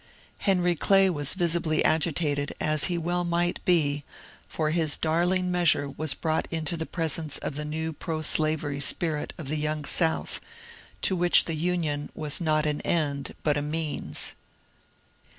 Henry Clay was visibly agitated, as he weU might be, for his darling measure was brought into the presence of the new proslavery spirit of the Young South, to which the Union was not an end but a means.